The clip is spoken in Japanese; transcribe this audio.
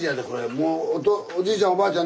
もうおじいちゃんおばあちゃん